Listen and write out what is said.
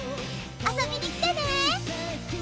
遊びに来てね！